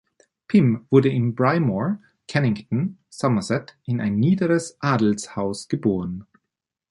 Pym wurde in Brymore, Cannington, Somerset in ein niederes Adelshaus geboren.